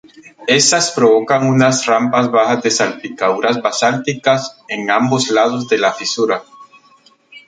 Estas provocan unas rampas bajas de salpicaduras basálticas en ambos lados de la fisura.